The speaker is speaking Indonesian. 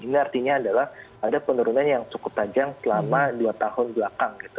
ini artinya adalah ada penurunan yang cukup tajam selama dua tahun belakang gitu